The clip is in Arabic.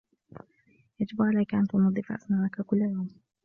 يَجِبُ عَلَيكَ أَنَّ تُنْظِّفَ أسْنَانَكَ كُلَّ يَوْمٍ.